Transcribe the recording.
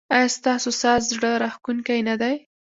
ایا ستاسو ساز زړه راښکونکی نه دی؟